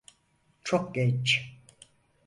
Çok genç.